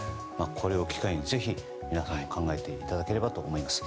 これを機会にぜひ皆さんにも考えていただければと思います。